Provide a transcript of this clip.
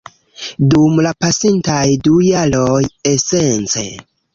Dum la pasintaj du jaroj, esence